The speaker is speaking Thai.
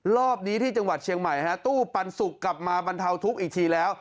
รอบนี้ที่จังหวัดเชียงใหม่ฮะตู้ปันสุกกลับมาบรรเทาทุกข์อีกทีแล้ว